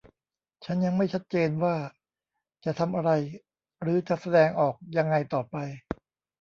ฉันยังไม่ชัดเจนว่าจะทำอะไรหรือจะแสดงออกยังไงต่อไป